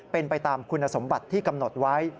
เป็นไปตามคุณสมบัติที่กำหนดไว้